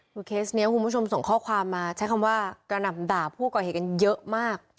คุณผู้ชมส่งข้อความมาใช้คำว่ากระหนับด่าผู้ก่อเหตุกันเยอะมาก